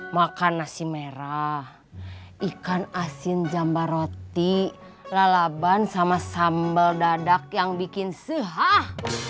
makan nasi merah ikan asin jambar roti lalapan sama sambal dadakan yang bikin sehah